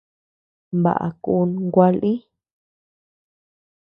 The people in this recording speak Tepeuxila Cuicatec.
Baʼa kun gua lï.